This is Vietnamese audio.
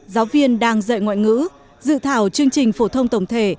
giáo viên đang dạy ngoại ngữ dự thảo chương trình phổ thông tổng thể